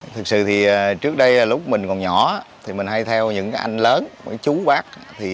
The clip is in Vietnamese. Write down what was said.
thực sự thì trước đây lúc mình còn nhỏ thì mình hay theo những anh lớn mấy chú bác